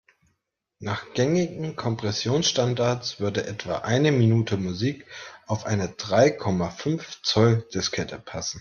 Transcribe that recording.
Nach gängigen Kompressionsstandards würde etwa eine Minute Musik auf eine drei Komma fünf Zoll-Diskette passen.